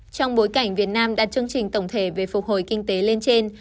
trong bối cảnh việt nam đạt chương trình tổng thể về phục hồi kinh tế lên trên